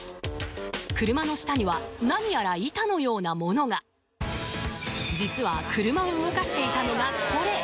車の下には何やら板のようなものが実は車を動かしていたのがこれ！